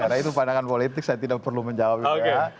karena itu pandangan politik saya tidak perlu menjawab juga